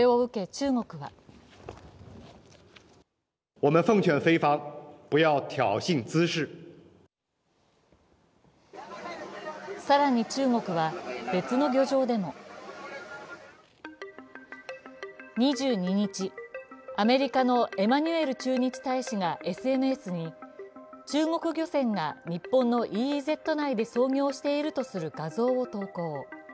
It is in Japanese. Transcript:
中国は更に中国は別の漁場でも２２日、アメリカのエマニュエル駐日大使がＳＮＳに中国漁船が日本のＥＥＺ内で操業しているとする画像を投稿。